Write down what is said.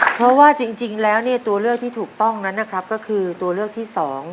เพราะว่าจริงแล้วเนี่ยตัวเลือกที่ถูกต้องนั้นนะครับก็คือตัวเลือกที่๒